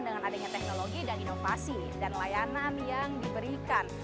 dengan adanya teknologi dan inovasi dan layanan yang diberikan